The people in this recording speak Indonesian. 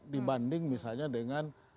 dibanding misalnya dengan